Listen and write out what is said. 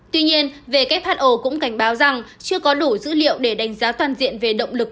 tuy nhiên who cũng cảnh báo rằng chưa có đủ dữ liệu để đánh giá toàn diện về động lực